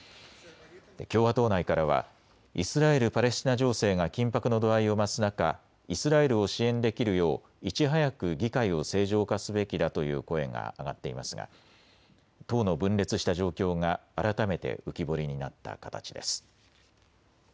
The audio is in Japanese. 共和党内からはイスラエル・パレスチナ情勢が緊迫の度合いを増す中、イスラエルを支援できるよういち早く議会を正常化すべきだという声が上がっていますが党の分裂したした状況が改めて浮き彫りになった形です。